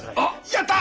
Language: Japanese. やった！